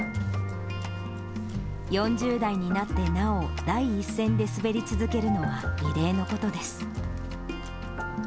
４０代になってなお、第一線で滑り続けるのは異例のことです。